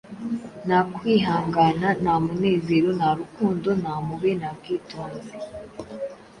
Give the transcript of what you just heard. nta kwihangana, nta munezero, nta rukundo, nta mpuhwe, nta bwitonzi